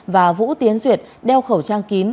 và vũ tiến duyệt đeo khẩu trang kín